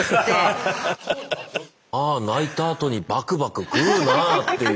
まあ泣いたあとにバクバク食うなあっていう。